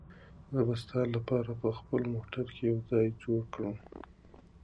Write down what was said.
زه به ستا لپاره په خپل موټر کې یو ځای جوړ کړم.